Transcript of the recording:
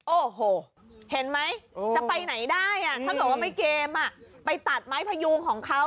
โอ้โหเห็นไหมจะไปไหนได้ถ้าเกมไปตัดไม้พยูงของเขา